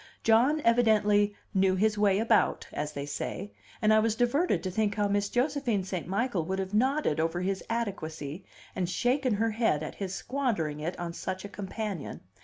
John evidently "knew his way about," as they say; and I was diverted to think how Miss Josephine St. Michael would have nodded over his adequacy and shaken her head at his squandering it on such a companion.